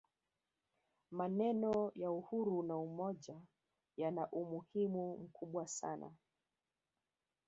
maneno ya uhuru na umoja yana umuhimu mkubwa sana